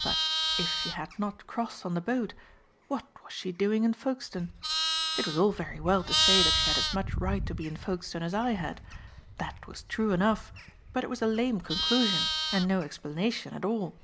But if she had not crossed on the boat, what was she doing in Folkestone? It was all very well to say that she had as much right to be in Folkestone as I had. That was true enough, but it was a lame conclusion and no explanation at all.